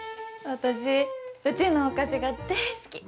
私、うちのお菓子が大好き。